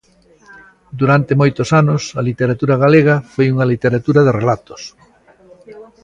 Durante moitos anos a literatura galega foi unha literatura de relatos.